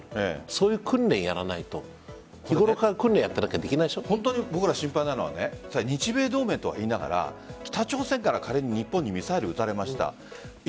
そういう訓練をやらないと日頃から訓練をやってなければ僕らが心配なのは日米同盟といいながら北朝鮮から、仮に日本にミサイルが撃たれました。